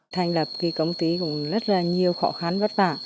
thành lập công ty cũng rất là nhiều khó khăn vất vả